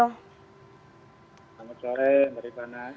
selamat sore mbak rifana